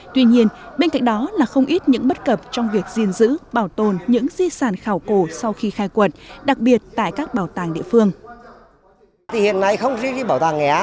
tuy nhiên bên cạnh đó là không ít những bất cập trong việc gìn giữ bảo tồn những di sản khảo cổ sau khi khai quật đặc biệt tại các bảo tàng địa phương